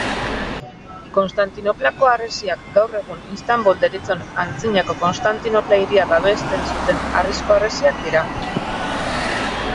Konstantinoplako harresiak gaur egun Istanbul deritzon antzinako Konstantinopla hiria babesten zuten harrizko harresiak dira.